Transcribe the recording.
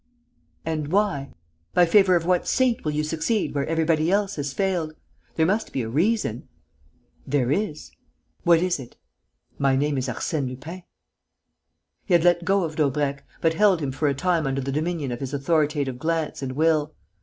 "And why? By favour of what saint will you succeed where everybody else has failed? There must be a reason?" "There is." "What is it?" "My name is Arsène Lupin." He had let go of Daubrecq, but held him for a time under the dominion of his authoritative glance and will.